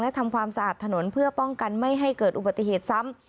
และทำความสะอาดถนนเพื่อป้องกันไม่ให้เกิดอุบัติเหตุซ้ำ